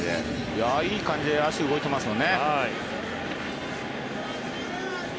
いい感じで足が動いてますもんね。